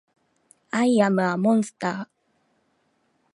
アイアムアモンスター